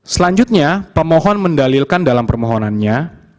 selanjutnya pemohon mendalilkan dalam permohonannya